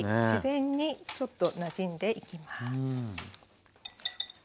自然にちょっとなじんでいきます。